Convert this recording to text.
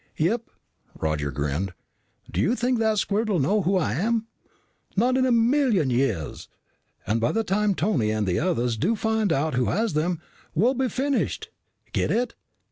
"Yup." Roger grinned. "Do you think that squirt will know who I am? Not in a million years. And by the time Tony and the others do find out who has them, we'll be finished. Get it?"